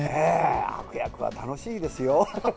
悪役は楽しいですよ。